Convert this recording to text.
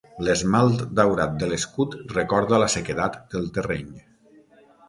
L'esmalt daurat de l'escut recorda la sequedat del terreny.